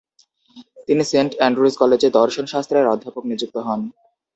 তিনি Saint Andrews কলেজে দর্শনশাস্ত্রের অধ্যাপক নিযুক্ত হন।